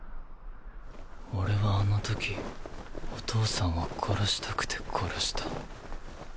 俺はあの時お父さんを殺したくて殺した。